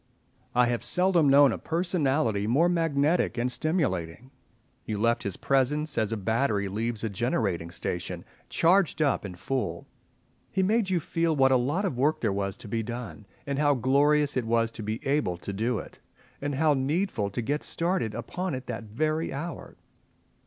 I have seldom known a personality more magnetic and stimulating. You left his presence, as a battery leaves a generating station, charged up and full. He made you feel what a lot of work there was to be done, and how glorious it was to be able to do it, and how needful to get started upon it that very hour.